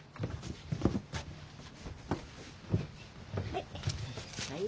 はい。